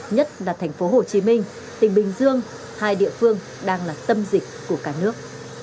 nhất là thành phố hồ chí minh tỉnh bình dương hai địa phương đang là tâm dịch của cả nước